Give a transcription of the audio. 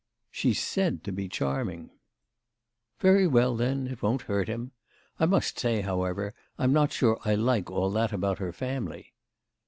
"She's said to be charming." "Very well then, it won't hurt him. I must say, however, I'm not sure I like all that about her family."